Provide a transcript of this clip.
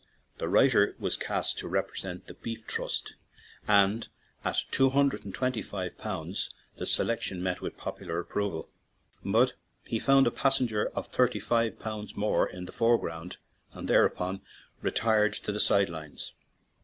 The writer was cast to represent the Beef Trust, and at two hundred and twenty five pounds the selection met with popular approval; but he found a passenger of thirty five pounds more in the foreground, and thereupon retired to the side lines.